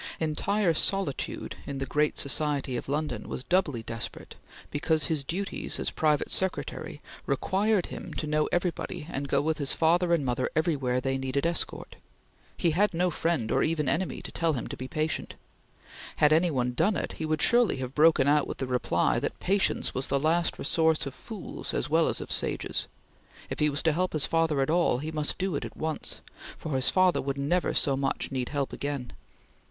Entire solitude in the great society of London was doubly desperate because his duties as private secretary required him to know everybody and go with his father and mother everywhere they needed escort. He had no friend, or even enemy, to tell him to be patient. Had any one done it, he would surely have broken out with the reply that patience was the last resource of fools as well as of sages; if he was to help his father at all, he must do it at once, for his father would never so much need help again.